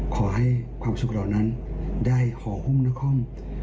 ขอให้ความสุขเหล่านั้นได้ขอหุ้มนคร